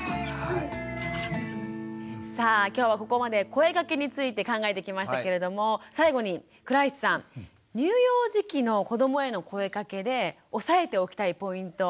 さあきょうはここまで声かけについて考えてきましたけれども最後に倉石さん乳幼児期の子どもへの声かけで押さえておきたいポイント